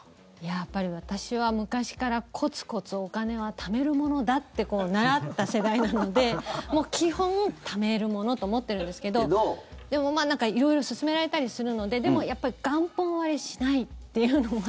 やっぱり私は昔からコツコツお金はためるものだって習った世代なので基本、ためるものと思ってるんですけどでも色々勧められたりするのででも、やっぱり元本割れしないっていうのが。